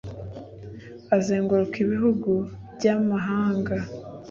Azenguruka ibihugu by’amahanga,